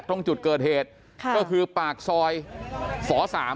ตรงจุดเกิดเหตุก็คือปากซอยฝ๓